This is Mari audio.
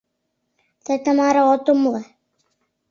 — Тый, Тамара, от умыло.